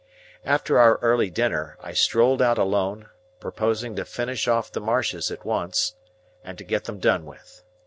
After our early dinner, I strolled out alone, purposing to finish off the marshes at once, and get them done with.